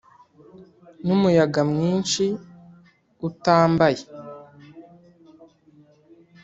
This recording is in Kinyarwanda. numuyaga mwinshi utambaye,